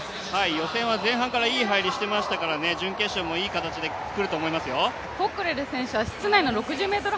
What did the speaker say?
予選は前半からいい入りをしていましたから、準決勝もいい形でくると思いますよ。